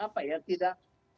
apa ya tidak